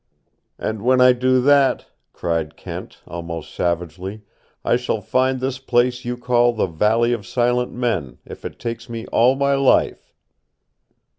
"And when I do that," cried Kent, almost savagely, "I shall find this place you call the Valley of Silent Men, if it takes me all my life."